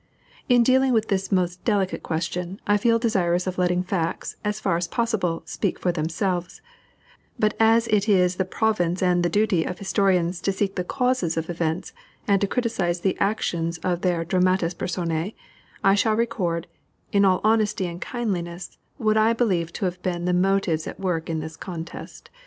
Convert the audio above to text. In dealing with this most delicate question, I feel desirous of letting facts, as far as possible, speak for themselves; but as it is the province and the duty of historians to seek the causes of events and to criticize the actions of their dramatis personæ, I shall record, in all honesty and kindliness, what I believe to have been the motives at work in this contest.